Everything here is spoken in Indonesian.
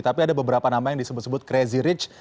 tapi ada beberapa nama yang disebut sebut crazy rich